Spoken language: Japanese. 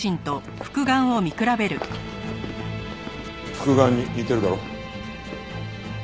復顔に似てるだろ？